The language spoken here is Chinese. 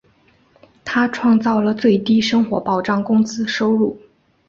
他创造了最低生活保障工资收入。